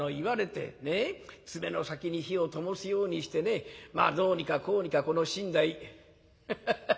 爪の先に火をともすようにしてねまあどうにかこうにかこの身代。ハハハハハ。